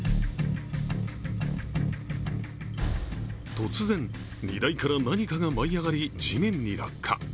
突然、荷台から何かが舞い上がり地面に落下。